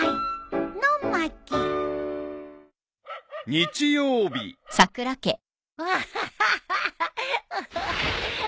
［日曜日］アッハハハハッ。